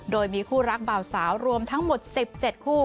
โดยมีคู่รักเบาสาวรวมทั้งหมด๑๗คู่